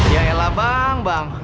yaelah bang bang